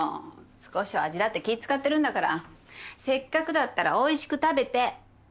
少しは味だって気使ってるんだからせっかくだったらおいしく食べて。